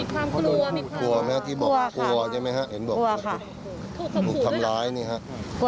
ความรู้สึกของพี่ตอนนี้เป็นยังไงบ้างปะเนี่ย